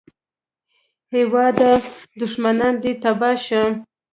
هېواده دوښمنان دې تباه شه